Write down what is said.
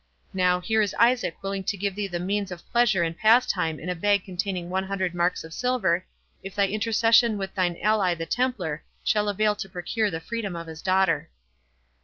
—Now, here is Isaac willing to give thee the means of pleasure and pastime in a bag containing one hundred marks of silver, if thy intercession with thine ally the Templar shall avail to procure the freedom of his daughter."